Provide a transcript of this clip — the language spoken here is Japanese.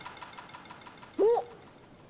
おっ！